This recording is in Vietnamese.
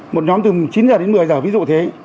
một nhóm từ chín giờ đến một mươi giờ ví dụ thế